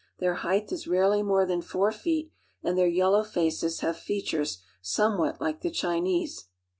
Their height is rarely more than four feet, and their yellow faces have I features somewhat like the Chinese.